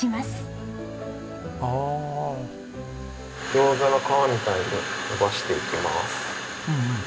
餃子の皮みたいに延ばしていきます。